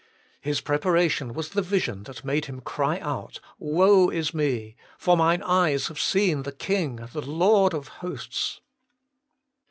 His preparation was the vision that made him cry out, ' Woe is me ! for mine eyes have seen the King, the Lord of hosts.'